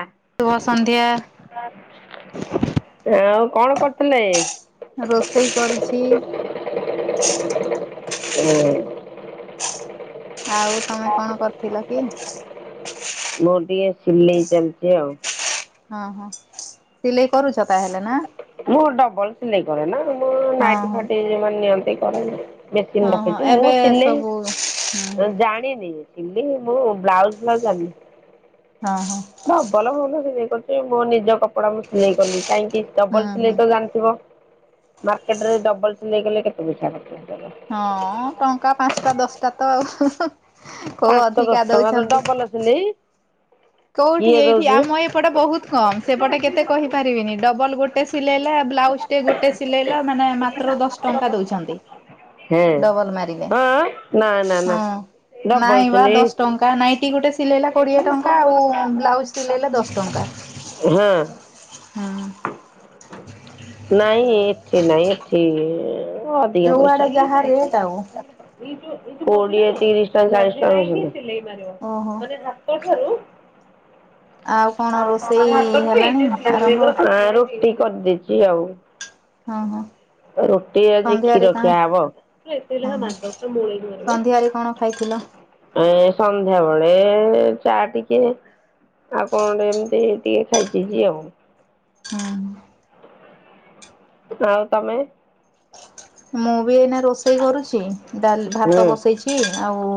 ଆ ଶୁଭ ସନ୍ଧ୍ୟା। ଆଉ କଣ କରୁଥିଲେ ରୋଷେଇ କରୁଛି ହୁଁ ଆଉ ତମେ କଣ କରିଥିଲ କି [unintelligible] ଗୋଟିିଏ ସିଲେଇ ଚାଲିଛି ଆଉ ହଁ ହଁ ସିଲେଇ କରୁଛ ତାହେଲେ ନା ମୁଁ ଡବଲ ସିଲେଇ କରେ ନା ମୋର ହଁ ନାଇଟି ହଁ ଫାଟି ନିଅନ୍ତି କରେନି ମେସିନ୍ ହଁ ହଁ ପକେଇଛି ମୁଁ ଏବେ ସବୁ ହୁଁ ସିଲେଇ ଜାଣିନି। ହେଲେ ମୁଁ ବ୍ଲାଉଜ୍ ଫ୍ଳାଉଜ ଜାଣିନି ହଁ ହଁ ନା ଭଲ ଭଲ ସେ ଦେ ପକେଇ ମୋ ନିଜ କପଡା ମୁଁ ସିଲେଇ କଲି। ଟାଇମ ଟିକେ ଡବଲ ହୁଁ ସିଲେଇ ହୁଁ। ତ ଜାଣିଥିବ। ମାର୍କେଟ ରେ ଡବଲ ସିଲେଇ କଲେ କେତେ ପଇସା ନାଖେ? ହଁ ଟଙ୍କା ପାଞ୍ଚଟା ଦଶଟା ତ ଆଉ। କୋଉ ପାଞ୍ଚ ଅଧିକା ଦଶ ଟଙ୍କାର ଦଉଛନ୍ତି। ଡବଲ ସିଲେଇ। କୋଉଠି କିଏ ଏଇଠି ଦଉଛି ଆମ ଏପଟେ ବହୁତ କମ। ସେପଟେ କେତେ କହିପାରିବିନି ଡବଲ ଗୋଟେ ସିଲେଇଲା ବ୍ଲାଉଜ ଟେ ଗୋଟେ ସିଲେଇଲା ମାନେ ମାତ୍ର ଦଶ ଟଙ୍କା ଦଉଛନ୍ତି। ହଁ ଡବଲ ମାରିଲେ ହଁ ନା ନା ନା ହଁ। ଡବଲ ନାଇଁ ବା ସିଲେଇ ଦଶ ଟଙ୍କା ନାଇଁଟି ଗୋଟେ ସିଲେଇଲା କୋଡିଏ ଟଙ୍କା ଙ୍କା ଆଉ ବ୍ଲାଉଜ ସିଲେଇଲେ ଦଶ ଟଙ୍କା ହଁ ହୁଁ। ନାଇଁ ଏଠି ନାଇଁ ଏଠି। [inaudible] ଓ ଅଧିକା ଯୋଉଆଡେ ପଇସା ଯାହା ରେଟ୍ ଆଉ କୋଡ଼ିଏ ତିରିଶ ଟଙ୍କା ଚାଳିଶ ଟଙ୍କା ବୋଧ ସିଲେଇ ମାରିବ ଓହୋ। ମାନେ ହାତ। [unintelligible] ଆଉ କଣ ରୋଷେଇ ହେଲାଣି ଆରମ୍ଭ? ଆଁ ରୁଟି କରିଦେଇଛି ଆଉ। ହଁ ହଁ ରୁଟି ଆଜି ସନ୍ଧ୍ୟାରେ କ୍ଷୀର କଣ ଖିଆ ହବ ଏ ହଁ ହଁ ସନ୍ଧ୍ୟାରେ କଣ ଖାଇଥିଲ? ସନ୍ଧ୍ୟାବେଳେ ଏ ଚା ଟିକେ ଆଉ କଣ ଏମିତି ଟିକେ ଖାଇଦେଇଚି ଆଉ। ହଁ ହଁ। ଆଉ ତମେ? ମୁଁ ବି ଏଇନା ରୋଷେଇ କରୁଛି। ଡାଲ ଭାତ ହୁଁ ବସେଇଛି ଆଉ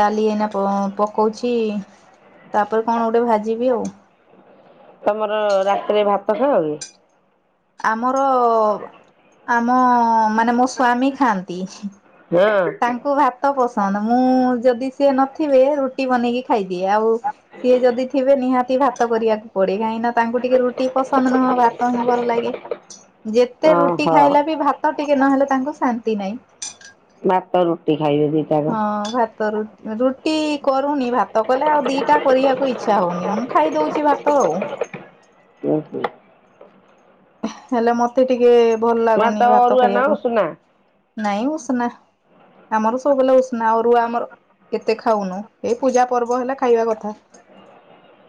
ଡାଲି ଏଇନା ପ ପ ହୋଉଚି ତାପରେ କଣ ଗୋଟେ ଭାଜିବି ଆଉ। ତମର ରାତିରେ ଭାତ ଖାଅ କି? ଆମର ଆମ ମାନେ ମୋ ସ୍ଵାମୀ ଖାଆନ୍ତି ହଁ ତାଙ୍କୁ ଭାତ ପସନ୍ଦ ମୁଁ ଯଦି ସେ ନଥିବେ ରୁଟି ବନେଇକି ଖାଇଦିଏ। ଆଉ ସିଏ ଯଦି ଥିବେ ନିହାତି ଭାତ କରିବାକୁ ପଡେ। କାହିଁକି ତାଙ୍କୁ ଟିକେ ରୁଟି ପସନ୍ଦ ନୁହଁ ଭାତ ହିଁ ଭଲ ଲାଗେ। ଯେତେ ରୁଟି ଓହୋ। ଖାଇଲା ବି ଭାତ ଟିକେ ନହେଲେ ତାଙ୍କୁ ଶାନ୍ତି ତି ନାହିଁ। ଭାତ ରୁଟି। ଖାଇବେ ଦି ଟାଙ୍କ ର ରୁଟି କରୁନି ଭାତ କଲେ ଆଉ ଦିଟା କରିବାକୁ ଇଚ୍ଛା ହଉନି ମୁଁ ଖାଇଦଉଛି ଭାତ ଆଉ। [unintelligible] ହେଲେ ମତେ ଟିକେ। ଭଲ ଲାଗୁନି ଭାତ ଅରୁଆ ନା ଖାଇବାକୁ ଉଷୁନା? ନାଇଁ ଉଷୁନା। ଆମର ସବୁବେଳେ ଉଷନା ଅରୁଆ ଆମର କେତେ ଖାଉନୁ। ଏଇ ପୂଜାପର୍ବ ହେଲା ଖାଇବା କଥା।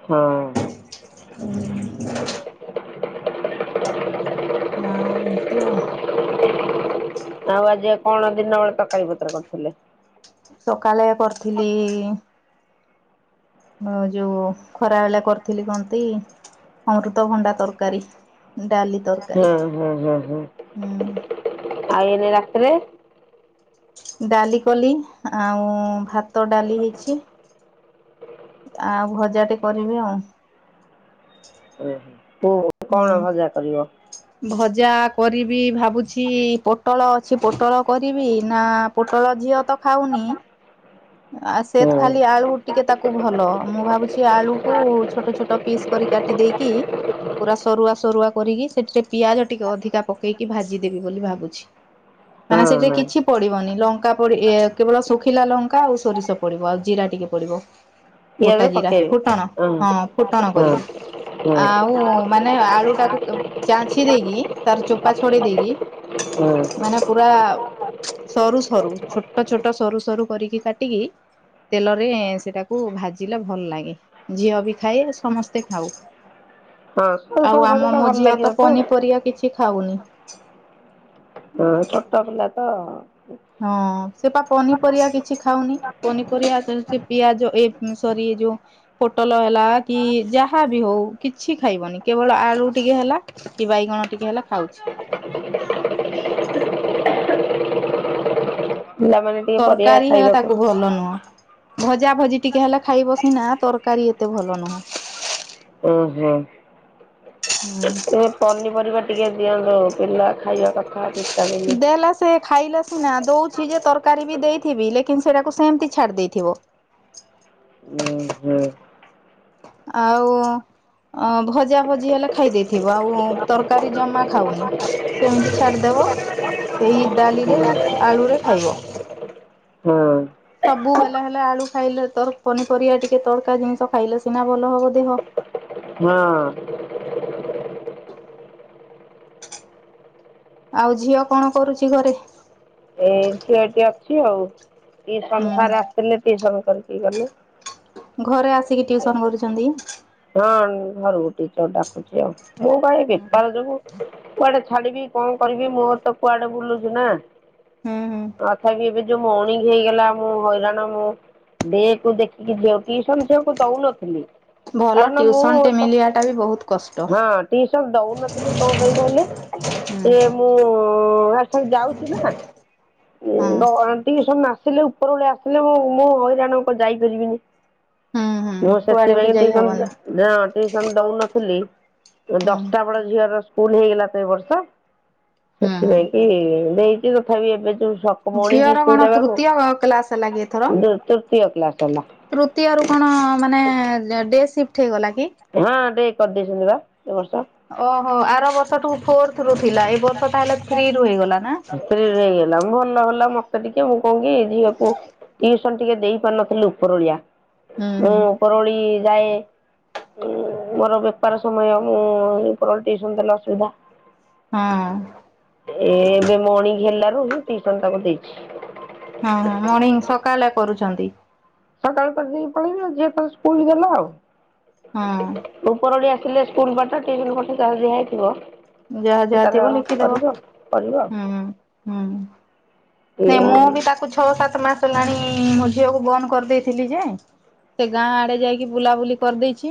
ହଁ ହ ହଁଉ ଏମିତି ଆଉ। ଆଉ ଆଜି ଆଉ କଣ ଦିନବେଳେ ତରକାରୀ ପତ୍ର କରୁଥିଲେ। [unintelligible] ସକାଳେ କରିଥିଲି। ହଁ ଯୋଉ ଖରାବେଳେ କରିଥିଲି କଣତି ଅମୃତଭଣ୍ଡା ତରକାରୀ, ଡାଲି। ତରକାରୀ ହଁ ହଁ ହ ହୁଁ ଆଉ ଏନ ରାତରେ? ଡାଲିି କଲି ଆଉ ଭାତ ଭାତ ଡାଲି ହେଇଛି। ଆଉ ଭଜାଟେ କରିବି ଆଉ। ହୁଁ ହୁଁ। ହୁ କଣ ହୁଁ ଭଜା କରିବ? ଭଜା। କରିବି ଭାବୁଛି ପୋଟଳ ଅଛି ପୋଟଳ କରିବି। ନା ପୋଟଳ ଝିଅ ତ ଖାଉନି। ଆ ସେ ହୁଁ ହଁ ଖାଲି ଆଳୁ ଟିକେ ତାକୁ ଭଲ, ମୁଁ ଭାବୁଛି ଆଳୁକୁ ଛୋଟ ଛୋଟ ପିସ୍ କରି କାଟି ଦେଇକି ପୁରା ସରୁଆ ସରୁଆ। କରିକି ସେଠରେ ପିଆଜ ଟିକେ ଅଧିକା ପକେଇକି ଭାଜିଦେବି ବୋଲି ଭାବୁଛି। ମାନେ ସେଠି ହଁ କିଛି ପଡିବନି ଲଙ୍କା ପଡି ଏ କେବଳ ଶୁଖିଲା ଲଙ୍କା ଆଉ ସୋରିଷ ପଡିବ ଆଉ ଜିରା ଟିକେ ପଡିବ। ପିଆଜ ଗୋଟା ଜିରା ପକେଇବେ ଫୁଟଣ ହଁ ଫୁଟଣ ହଁ। କରିବି ହୁଁ ଆଉ ମାନେ ଆଳୁଟାକୁ ଛାଞ୍ଚି ଦେଇକି ତାର ଚୋପା ଛଡିେଇ ଦେଇକି ହୁଁ ମାନେ ପୁରା ସରୁ ସରୁ ଛୋଟ ଛୋଟ ସରୁ ସରୁ କରିକି। କାଟିକି ତେଲରେ ସେଟାକୁ ଭାଜିଲେ ଭଲ ଲାଗେ ଝିଅ ବି ଖାଏ ସମସ୍ତେ ଖାଉ। ହଁ ସରୁ ସରୁ ଆଉ ଭଜା ଆମ ଟା ମୋ ଭଲ ଝିଅ ଲାଗିବ ତ ପନିପରିବା କିଛି ଖାଉନି। ହଁ ଛୋଟ ପିଲା ତ। ହଁ ସେ ପା ପନିପରିବା କିଛି ଖାଉନି ପନିପରିବା ଆସ ପିଆଜ ଏ ସରି ଯୋଉ ପୋଟଲ ହେଲା କି ଯାହା ବି ହଉ କିଛି ଖାଇବନି କେବଳ ଆଳୁ ଟିକେ ହେଲା କି ବାଇଗଣ ଟିକେ ହେଲା ଖାଉଛି ପିଲାମାନେ ଟିକେ ପରଡିଆ ତରକାରୀ ହେଲା ଖାଇବାକୁ ତାକୁ ଭଲ ନୁହଁ। ଭଜା ଭଜି ଟିକେ ହେଲେ ଖାଇବ ସିନା ତରକାରୀ ଏତେ ଭଲ ନହଁ ଉ ହ ହୁଁ ସେ ପନିପରିବା ଟିକେ ଦିଅନ୍ତୁ ପିଲା ଖାଇବା କଥା ଭିଟାମିନ୍ ଦେଲା ସେ ଖାଇଲା ସେ ନା ଦଉଛି ଯେ ତରକାରୀ ବି ଦେଇଥିବି ଲେକନ୍ ସେଟାକୁ ସେମିତି ଛାଡି ଦେଇଥିବ ଉଁ ହୁଁ ଆଉ ଭଜା ଭଜି ହେଲେ ଖାଇ ଦେଇେଥିବ ଆଉ ତରକାରୀ ଜମା ଖାଉନି ସେମିତି ଛାଡ଼ିଦେବ ସେଇ ଡାଲିରେ ହଁ ଆଳୁରେ ଖାଇବ ସବୁ ବେଳେ ହେଲା ଆଳୁ ଖାଇଲେ ତ ପନିପରିବା ଟିକେ ତରକା ଜିନିଷ ଖାଇଲେ ସିନା ଭଲ ହବ ଦେହ । ହଁ। ଆଉ ଝିଅ କଣ କରୁଛି ଘରେ? ସିଏ ଏଇଠି ଅଛି ଆଉ ଏ ସଂସାର ହୁଁ ଆସିଥିଲେ କି [unintelligible] ଗଲେ ଘରେ ଆସିକି ଟ୍ୟୁସନ କରୁଛନ୍ତି? ହଁ ଘରୁ ଗୋଟେ ଛୁଆ ଡାକୁଛି ଆଉ ବୋଉ ଭାଇ ବେପାର ଯଗୁ କୁଆଡେ ଛାଡିବି କଣ କରିବି ମୋର ତ କୁଆଡେ ବୁଲୁଛୁ ନା ହୁଁ ହୁଁ [unintelligible] ଯୋଉ ମଣିଗ ହେଇଗଲା ମୁଁ ହଇରାଣ ମୁ ଦେହକୁ ଦେଖିକି ଝିଅ ଟ୍ୟୁସନ ଝଅକୁ ଦଉନଥିଲି ଭଲ କାରଣ ଟିଉସନ ଟେ ମୁଁ- ମିଳିବାଟା ବି ବହୁତ କଷ୍ଟ। ହଁ ଟ୍ୟୁସନ ଦଉନଥିଲି କଣ ପାଇଁ କହିଲେ ସିଏ ହୁଁ ମୁଁ ହ ଆଜି ଠାରୁ ଯାଉଛି ନା ହଁ। ଟିଉସନ ନା ଆସିଲେ ଉପର ବେଳେ ଆସିଲେ ମୁଁ -ମୁଁ ହଇରାଣ ଆଉ ଯାଇପାରିବିନି ହୁଁ ହୁଁ କୁଆଡେ ଉଠି ଯାଇ ହବନି ଟ୍ୟୁସନ ଦଉନଥିଲି ହୁଁ ଦଶଟା ବେଳେ ଝିଅର ସ୍କୁଲ ହେଇଗଲା ତ ଏ ବର୍ଷ ହୁଁ ସେଥି ନାଇଁ ହୁଁ କିି ଦେଇ ତଥା ବି ଏବେ ଯୋଉ ସକ ମଣିକି ଝିଅର ସ୍କୁଲ କଣ ହେବାକୁ ତୃତୀୟ କ୍ଲାସ ହେଲା କି ଏଥର ତୃତୀୟ କ୍ଲାସ ହେଲା ତୃତୀୟରୁ କଣ ମାନେ ଡେ ସିପ [unintelligible] ହଁ ଡେ କରିଦେଇଛନ୍ତି ବା। ଏବର୍ଷ ହଁ ଆର ବର୍ଷ ଠୁ ଫୋର୍ଥ ରୁ ଥିଲା ଏ ବର୍ଷ ତାହଲେ ଫ୍ରି ରୁ ହେଇଗଲା ନା? ମୋତେ ଟିକ ମୁଁ କଣ କିି ଝିଅ ପୁଅ କୁ ଟିକେ ଦେଇ ପାରୁ ନଥିଲୁ ଉପରଓଳିଆ। ହୁଁ ଉପରଓଳି ଯାଏ ମୋର ବେପାର ସମୟ ମୁଁ ଉପରଓଳି ଟ୍ୟୁସନ ଦେଲେ ଅସୁବିଧା । ହଁ ଏ ଏବେ ମଣିଙ୍ଗି ହେଲା ହଉ ମୁଁ ଟିଉସନ ତାକୁ ଦେଇଛି। ହଁ ହଁ ମର୍ଣିଂ ସକାଳେ କରୁଛନ୍ତି? ସକାଳୁ ପେଢେକି ପଳେଇବି ଝିଅ ତାର ସ୍କୁଲ ଦେଲା ଆଉ ହଁ ଥିଲେ ସ୍କୁଲ ପାଠ ଟିଉସନ ପାଠ ଯାହା ଦିଆହେଇଥିବା ଯାହା ଯାହା ଥିବ ଲେଖିଦବ କରିବ ଆଉ ହୁଁ ହୁଁ ନାଇ ଏଇଆ ମୁଁ ଆଉ ବି ତାକୁ ଛଅ ସାତ ମାସ ହେଲାଣି ମୋ ଝିଅକୁ ବନ୍ଦ କରିଦେଇଥିଲି ଯେ ସେ ଗାଁ ଆଡେ ଯାଇକି କି ବୁଲାବୁଲି କରିଦେଇଛି।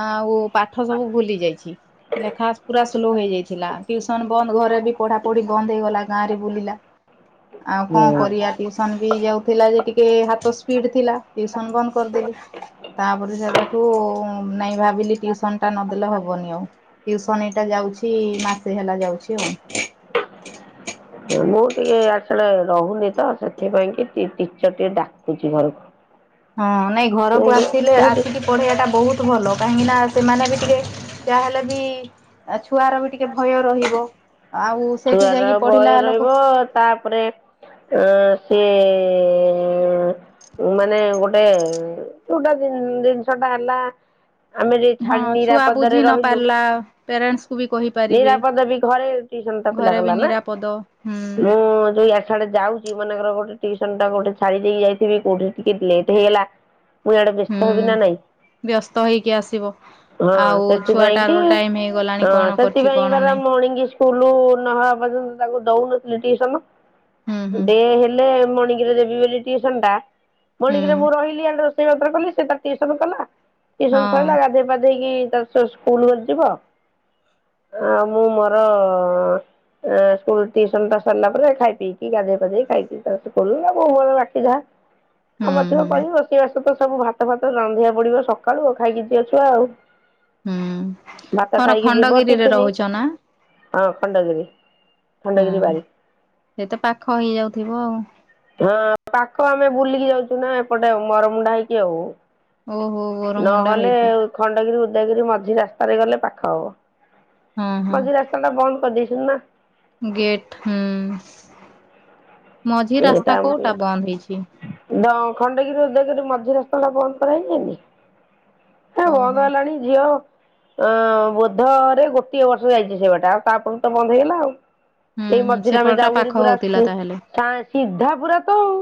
ଆଉ ପାଠ ସବୁ ଭୁଲି ଯାଇଛି ଲେଖା ପୁରା ସ୍ଲୋ ହେଇଯାଇଥିଲା ଟିଉସନ ବନ୍ଦ ଘରେ ବି ପଢା ପଢି ବନ୍ଦ ହେଇ ଗଲା ଗାଁ ରେ ବୁଲିଲା। ଆଉ କଣ କରିବା ହୁଁ। ଟିଉସନ ବି ଯାଉଥିଲା ଯେ ଟିକେ ହାତ ସ୍ପିଡ ଥିଲା ଟିଉସନ ବନ୍ଦ କରିଦେଲି ତାପରେ ସେବେଠୁ ନାଇଁ ଭାବିଲି ଟିଉସନ ଟା ନଦେଲେ ହବନି ଆଉ ଶନି ଟା ଯାଉଛି ମାସେ ହେଲା ଯାଉଛି ଆଉ ମୁଁ ଟିକେ ଆସିଲେ ରହୁନି ତ ସେଥିପାଇଁ କି ଟିଚର ଟିଏ ଡାକୁଛି ଘରକୁ। ହଁ ନାଇଁ ମୁଁ ଘରକୁ ଆସିଲେ ଗୋଟେ ଆସିକି ପଢେଇବା ଟା ବହୁତ ଭଲ କାହିଁକି ନା ସେମାନେ ବି ଟିକେ ଯାହାହେଲେ ବି ଛୁଆର ବି ଟିକେ ଭୟ ରହିବ। ଆଉ ସେଇଠି ଛୁଆର ଯାଇକି ଭୟ ପଢିଲା ଲୋକ ରହିବ ତାପରେ ଉଁ ସିଏ ଏଁ ଏଁ ଏଁ ମାନେ ଗୋଟେ ଯୋଉଟା ଜିନିଷ ଟା ହେଲା ଆମେ ଯାଇ ଛାଡି ହଁ ଛୁଆ ବୁଝି ନିରାପଦରେ ନ ରହିଲୁ ପାରିଲା ପ୍ୟାରେଣ୍ଟସ୍ କୁ ବି କହିପାରିବେ। ନିରାପଦ ବି ଘରେ ଜିବନ୍ତ। ଘରେ ବି ଲଗଲାନା ନିରାପଦ ହୁଁ ମୁଁ ଯୋଉ ଇଆଡେ ସିଆଡେ ଯାଉଛି ମନେକର ଗୋଟେ ଟିୟୁସନ ଟା ଗୋଟେ ଛାଡି ଦେଇକି ଯାଇଥିବି କୋଉଠି ଟିକେ ଲେଟ୍ ହେଇଗଲା ମୁଁ ଇଆଡେ ବ୍ୟସ୍ତ ହୁଁ ହେବି ନା ନାଇଁ ବ୍ୟସ୍ତ ହେଇକି ଆସିବ। ହଁ ଆଉ ସେଥିପାଇ କି ଛୁଆଟାର ଟାଇମ ହେଇଗଲାଣି କଣ ହଁ କରିଛି ସେଥିପାଇଁ କଣ ବାରା ନାଇଁ ମାଣିଙ୍ଗି ସ୍କୁଲ ପର୍ଯ୍ୟନ୍ତ ତାକୁ ଦଉନଥିଲି ଟିଉସନ ହୁଁ ହୁଁ। ଡେ ହେଲେ ମଣି ଦେବି ବୋଲି ଟିଉସନ ଟା ହୁଁ ମଣିଙ୍ଗି ରେ ମୁଁ ରହିଲି ଆଡେ ରୋଷ ସେ ଅଡର୍ କାଲେ, ସେ ତା ଟିଉସନ କଲା ଇଏ ସବୁ ସଇଲା ହଁ ଗାଧେଇ ପାଧେ ଦେଇକି ତା ସହ ସ୍କୁଲ୍ ଯିବ, ଆଉ ମୁଁ ମୋର ଆଁ, ସ୍କୁଲ୍ ଟିଉସନ ଟା ସରିଲା ପରେ ଖାଇ ପିଇକି ଗାଧେଇେ ପାଧେଇ ଖାଇପିଇ ତା ସହ କଲା ମୁଁ ମୋର ବାକି ଯାହା ହୁଁ କାମ ଥିବ ହୁଁ କରିବି ରୋଷେଇ ବାସ ତ ସବୁ ଭାତ ଫାତ ରାନ୍ଧିବାକୁ ପଡିବ ସକାଳୁ ଆଉ, ଖାଇକି ଯିବ ଛୁଆ ଆଉ। ହୁଁ ଭାତ ତୋର ଖାଇକି ଯିବ ଖଣ୍ଡଗିରିରେ ଟିଫିନି ରହୁଛ ନା? ହଁ ଖଣ୍ଡଗିରି। ହୁଁ, ଖଣ୍ଡଗିରି ବାରି ସେ ତ ପାଖ ହେଇଯାଉଥିବ ଆଉ। ହଁ ପାଖ ଆମେ ବୁଲିକି ଯାଉଚୁ ନା ଏପଟେ ଆଉ ମରମୁଣ୍ଡା ହେଇକି ଆଉ। ଆଉ ଓହୋ ବରମୁଣ୍ଡା ନହେଲେ ହେଇକି ଖଣ୍ଡଗିରି ଉଦ୍ ଉଦୟଗିରି ମଝି ରାସ୍ତାରେ ଗଲେ ପାଖ ହବ। ହଁ ହଁ। ଆଜି ରାସ୍ତା ଟା ବନ୍ଦ କରିଦେଇ ହେ ନା। ଗେଟ୍ ହୁଁ ମଝି ରାସ୍ତା କୋଉଟା ଏଇଟା ବନ୍ଦ ହେଇଛି? ଖଣ୍ଡଗିରି ଉଦୟଗିରି ମଝି ରାସ୍ତା ଟା ବନ୍ଦ କରାହେଇଯାଇନି। ହେ ବନ୍ଦ ଓହୋ। ହେଲାଣି ଝିଅ ଅ, ବୋଧରେ ଗୋଟିଏ ବର୍ଷ ଯାଇଚି ସେବାଟା ଆଉ ତାପରକୁ ତ ବନ୍ଦ ହେଇଗଲା ଆଉ। ହୁଁ, ସେଇ ହୁଁ ସେପଟଟା ପାଖ ହଉଥିଲା ତାହେଲେ। ହଁ ସିଧାପୁରା ତ ଆଉ,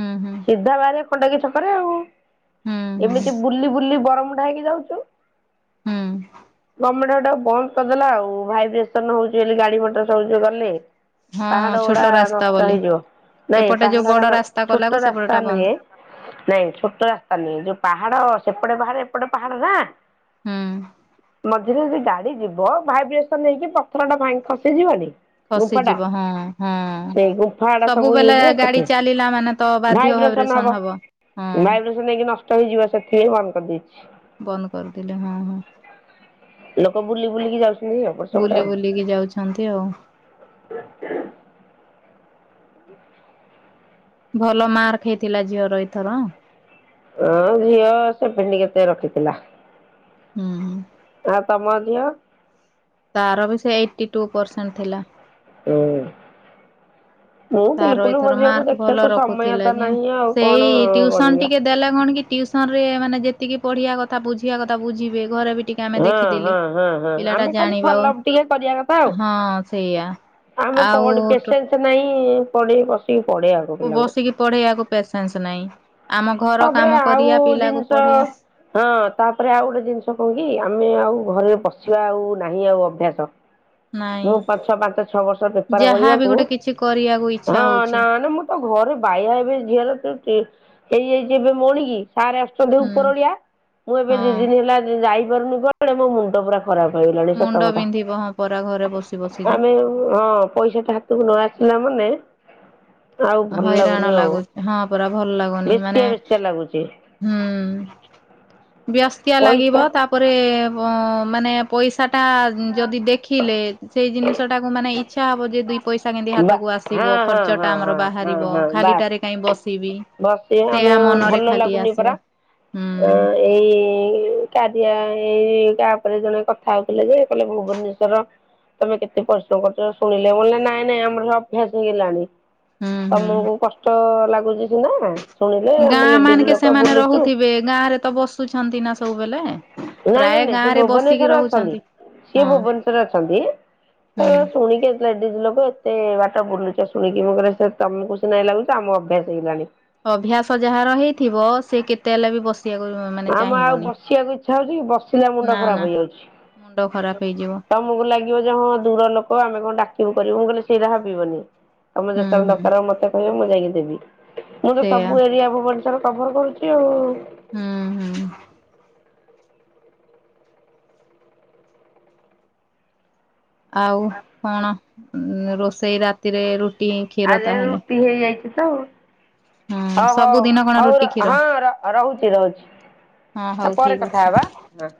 ହୁଁ ହୁଁ ସିଧା ବାହାରିବା ଖଣ୍ଡଗିରି ଛକରେ ଆଉ ହୁଁ ହୁଁ ଏମିତି ବୁଲି ବୁଲି ବରମ୍ ମୁଡା ହେଇକି ଯାଉଛୁ। ହୁଁ, ଆମର ହେଟା ବନ୍ଦ କରିଦେଲା ଆଉ ଭାଇବ୍ରେସନ୍ ହଉଚି ବୋଲି ଗାଡି ମଟର ସବୁ ଯେ ଗଲେ। ହଁ ପାହଡ଼ ଛୋଟ ଗୁଡା ରାସ୍ତା ନଷ ବୋଲି। ରହିଯିବ, ନାଇଁ ଏପଟେ ଯୋଉ ବଡ ପାହାଡର ରାସ୍ତା କଲାକୁ ଛୋଟ ସେପଟଟା ରାସ୍ତା ବନ୍ଦ ନୁହେଁ, ନାଇଁ ଛୋଟ ରାସ୍ତା ନୁହେଁ ଯୋଉ ପାହାଡ ସେ ଏପେ ବାହାରେ ଏପଟେ ପାହାଡ଼ ନା ହୁଁ, ଝିରେ ଯଦି ଗାଡି ଯିବ ଭାଇବ୍ରେସନ୍ ହେଇକି ପଥର ଟା ଭାଙ୍ଗ ଖସିଯିବନି। ଖସିଯିବ ହଁ ହଁ। ସେ ଗୁମ୍ଫାଡା ସବୁ ଇଏ ସବୁବେଳେ ହେଇଯିବ ଗାଡି ସେଠ ଚାଲିଲା ମାନେ ତ ବାଧ୍ୟ ଭାଇବ୍ରେସନ ହବ ହଁ ଭାଇବ୍ରେସନ ନେଇକି ନଷ୍ଟ ହେଇଯିବ ସେଥି ବନ୍ଦ କରିଦେଇଛି। ବନ୍ଦ କରିଦେଲେ ହଁ ହଁ। ଲୋକ ବୁଲି ବୁଲିକି ଯାଉଛନ୍ତି ଆଉ ଅପଟ ସେପଟେ ବୁଲି ଆଉ। ବୁଲିକି ଯାଉଛନ୍ତି ଆଉ ହ ଭଲ ମାର୍କ ହେଇଥିଲା ଝିଅର ଏଇଥର। ହଁ ଝିଅ ସେଭେଣ୍ଟି କେତେ ରଖିଥିଲା। ଉଁ ହୁଁ। ଆଉ ତମ ଝିଅ। ତାର ବି ସେ ଏଇଟି ଟୁ ପରସେଣ୍ଟ ଥିଲା। ମୁଁ ତାର ବିଲକୁଲ ମୋ ଏଥର ଝିଅକୁ ମାର୍କ ଭଲ ଦେଖିବାକୁ ସମୟ ରଖୁଥିଲା ତ ଯେ ନାହିଁ ଆଉ କଣ ସେଇ ଟିଉସନ କରିବା। ଟିକେ ଦେଲା କଣ କି ଟିଉସ ରେ ମାନେ ଯେତିକି ପଢିବା କଥା ବୁଝିବା କଥା ବୁଝିବେ। ଘରେ ବି ଟିକେ ଆମେ ହଁ ଦେଖିଦେଲେ ହଁ ହଁ ହଁ ପିଲା ଟା ଆମେ ଖାଲି ଜାଣିବା ଫାଲପ ଟିକେ କରିବା କଥା ଆଉ ହଁ ସେଇଆ। ଆମେ ଆଉ ପଢ଼ ଟୋ ପେସେନ୍ସ ନାହିଁ। [unintelligible] ଟିକେ ପଢେଇ ଆକୁ ପିଲାଙ୍କୁ ବସିକି ପଢେଇବାକୁ ପେସେନ୍ସ ନାହିଁ। ଆମ ଘର ତାପରେ କାମ ଆଉ କରିବା ପିଲାକୁ ଜିନିଷ ପଢେଇବା ହଁ ତାପରେ ଆଉ ଗୋଟେ ଜିନିଷ କହୁ ଆମେ ଆଉ ଘରେ ପସିବା ଆଉ ନାହିଁ ଆଉ ଅଭ୍ୟାସ। ନାଇଁ ମୁଁ ପାଛୁଆ ପାଞ୍ଚ ଛଅ ବର୍ଷ ବେପାର ଯାହା ବି କରିବାକୁ ଗୋଟେ କିଛି କରିବାକୁ ଇଚ୍ଛା ହଁ ହଉଛି ନା ନା ମୁଁ ତ ଘରେ ବାଇଆ ହେବି ଝିଅଲୋ ତୁ ଟି ଏଇ ଏଇ ଯିବେ ମଉଣିିକି ସାର୍ ଆସୁଛନ୍ତି ହୁଁ ଉପରଓଳିଆ ମୁଁ ଏବେି ହଁ ଦିନି ହେଲା ଯାଇ [unintelligible] ମୋ ମୁଣ୍ଡ ପୁରା ଖରାପ ହେଇଗଲାଣି ସତ ମୁଣ୍ଡ କଥା ବିନ୍ଧିବ ହଁ ପରା ଘରେ ବସି ବସିକି ଆମେ ହଁ ପଇସାଟା ହାତକୁ ନ ଆସିଲା ମାନେ ଆଉ ଭଲ ହଇରାଣ ଲାଗୁନି ଆଉ ଲାଗୁ ହଁ ପରା ଭଲ ଲାଗୁନି ମାନେ ବେସ୍ତିଆ ବେସ୍ତିଆ ଲାଗୁଛି ହୁଁ ବ୍ୟସ୍ତିଆ ପଇସା ଲାଗିବ ତାପରେ ମାନେ ପଇସା ଟା ଯଦି ଦେଖିଲେ ସେଇ ଜିନିଷଟାକୁ ମାନେ ଛା ହବ ଯେ ଦୁଇ ପଇସା କେମିତି ବା ହାତକୁ ଆସିବ ହଁ ହଁ ଖର୍ଚ୍ଚ ଟା ହଁ ଆମର ରିବ ଖାଲି ଟାରେ କାଇଁ ବ ବସିଆ ଆମେ ଆଉ ଭଲ ଖାଲି ଲାଗୁନି ଆସିବ ପରା ହୁଁ ଏଇ କାରିଆ ଏଇଟା ଆପ ରେ ଜଣେ କଥା ହଉଥିଲେ ଯେ କହିଲେ ଭୁବନେସ୍ୱର ତମେ କେତେ ପରିଶ୍ରମ କରଛ ଶୁଣିଲେ ମୁଁ କହିଲି ନାଇଁ ନାଇଁ ଆମର ଅଭ୍ୟାସ ହେଇଗଲାଣି। ହୁଁ ହୁଁ ତମକୁ କଷ୍ଟ ଲାଗୁଚି। କି ନା। ଗାଁ ମାନିକେ ସେମାନେ ରହୁଥିବେ ଗାଁ ରେ ତ ବସୁଛନ୍ତି ନା ସବୁବେଳେ ନାଇଁ ପ୍ରାୟ ନାଇଁ ନାଇଁ ଗାଁ ସେ ରେ ବସିକି ଭୁବନେଶ୍ଵର ଅଛନ୍ତି ରହୁଛନ୍ତି ସିଏ ହଁ ଭୁବନେଶ୍ଵର ଅଛନ୍ତି ହୁଁ ଶୁଣିକି ଲୋକ ଏତେ ବାଟ ବୁଲୁଛ ଶୁଣିକି ମ କରେ ସେ ତମକୁ ସ ନାଇଁ ଲାଗୁଛ ଆମ ଅଭ୍ୟାସ ହେଇଗଲାଣି ଅଭ୍ୟାସ ଯାହାର ହେଇଥିବ ସେ କେତେ ହେଲେ ବି ବସି ଆମେ ଆଉ ବସିବାକୁ ଛା ହଉଛି ବସିଲା ମୁଣ୍ଡ ନା ନା ଖରାପ ମୁଣ୍ଡ ଖରାପ ହେଇଯାଉଛି ହେଇଯିବ ତମକୁ ଲାଗିବ ଯେ ହଁ ଦୂର ଲୋକ ଆମେ କଣ ଡାକିବୁ। କରିବ କହିଲେ ସେଇଟା ଭାବିବନି ତମେ ହୁଁ ଯେତେବେଳେ ହୁଁ ଦର ମତେ କହିବନି ଯାଇକି ଦେବି। ମୁଁ ତ ସେଇଆ ସବୁ ଏରିଆ କୁ ବ ର କଭର କରୁଛି ଆଉ। ହୁଁ ହୁଁ। ଆଉ କଣ? ଉଁ ରୋଷେଇ ରାତିରେ ରୁ ଆଜି ରୁଟି ହେଇଯାଇଛି। ତଉ ହୁଁ ହଉ ହଉ ସବୁଦିନ କଣ ରୁଟି ହଉ କ୍ଷୀର ହଁ ର ରହୁଛି ରହୁଛି ହଁ ହଉ ଆଉ ପରେ ଠିକ କଥା ଅଛି ହବା ହଁ।